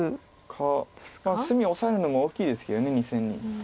か隅をオサえるのも大きいですけど２線に。